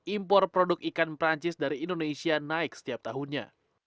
impor produk ikan perancis dari indonesia naik setiap tahunnya